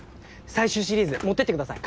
最終シリーズ持ってってください。